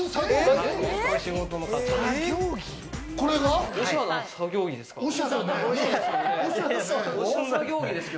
これ作業着です。